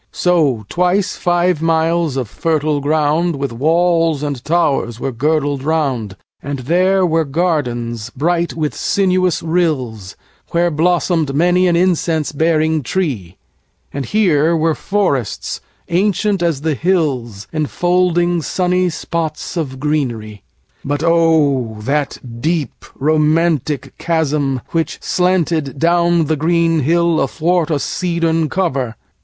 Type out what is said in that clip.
So twice five miles of fertile groundWith walls and towers were girdled round:And there were gardens bright with sinuous rills, Where blossomed many an incense bearing treeAnd here were forests ancient as the hills, Enfolding sunny spots of greenery. But oh! that deep romantic chasm which slantedDown the green hill athwart a cedarn cover!